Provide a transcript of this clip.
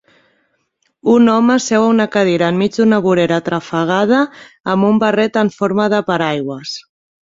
Un home seu a una cadira enmig d'una vorera atrafegada amb un barret en forma de paraigües.